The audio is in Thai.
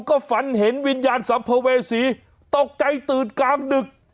ก็ฝันเห็นวิญญาณสัมภเวษีตกใจตื่นกลางดึก